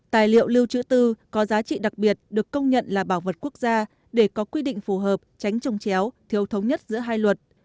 tài liệu lưu trữ tư có giá trị đặc biệt được công nhận là bảo vật quốc gia để có quy định phù hợp tránh trồng chéo thiếu thống nhất giữa hai luật